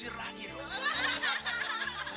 istri mas marah